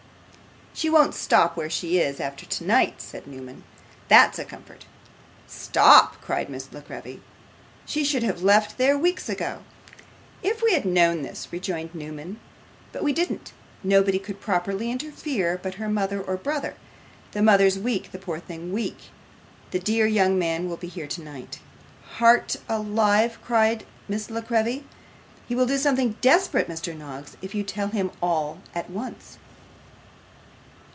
'She won't stop where she is after tonight,' said Newman. 'That's a comfort.' 'Stop!' cried Miss La Creevy, 'she should have left there, weeks ago.' ' If we had known of this,' rejoined Newman. 'But we didn't. Nobody could properly interfere but her mother or brother. The mother's weak poor thing weak. The dear young man will be here tonight.' 'Heart alive!' cried Miss La Creevy. 'He will do something desperate, Mr Noggs, if you tell him all at once.